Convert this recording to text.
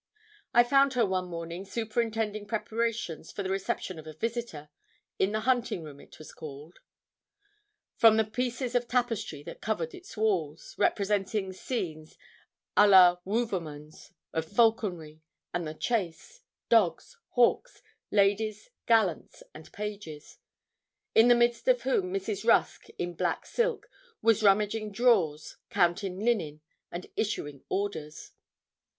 I found her one morning superintending preparations for the reception of a visitor, in the hunting room it was called, from the pieces of tapestry that covered its walls, representing scenes à la Wouvermans, of falconry, and the chase, dogs, hawks, ladies, gallants, and pages. In the midst of whom Mrs. Rusk, in black silk, was rummaging drawers, counting linen, and issuing orders.